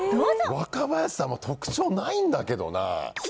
若林さん、特徴ないんだけどな。